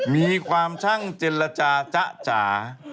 มีความช่างเจรจาจ๊ะจ๋า